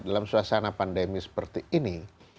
dalam suasana pandemi seperti ini